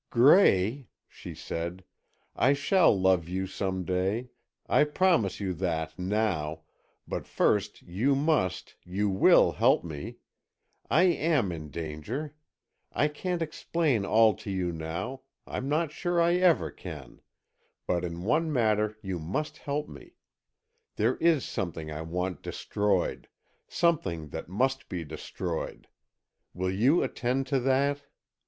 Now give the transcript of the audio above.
"Gray," she said, "I shall love you some day, I promise you that, now, but first, you must, you will help me! I am in danger, I can't explain all to you now, I'm not sure I ever can, but in one matter you must help me. There is something I want destroyed, something that must be destroyed. Will you attend to that?"